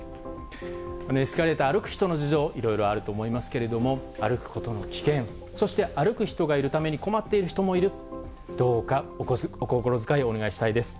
エスカレーター歩く人の事情、いろいろあると思いますけれども、歩くことの危険、そして歩く人がいるために困っている人もいる、どうかお心遣いをお願いしたいです。